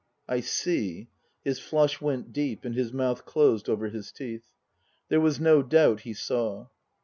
" I see." His flush went deep, and his mouth closed over his teeth. There was no doubt he saw.